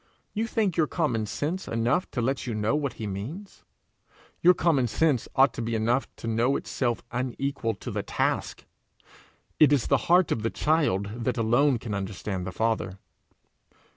You think your common sense enough to let you know what he means? Your common sense ought to be enough to know itself unequal to the task. It is the heart of the child that alone can understand the Father.